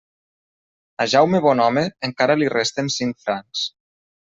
A Jaume Bonhome encara li resten cinc francs.